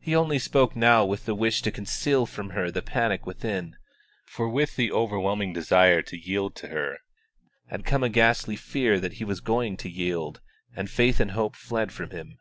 He only spoke now with the wish to conceal from her the panic within; for with the overwhelming desire to yield to her had come a ghastly fear that he was going to yield, and faith and hope fled from him.